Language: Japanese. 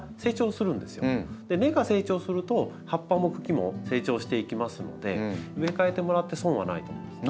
根が成長すると葉っぱも茎も成長していきますので植え替えてもらって損はないと思うんですね。